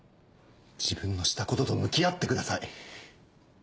自分のしたことと向き合ってください。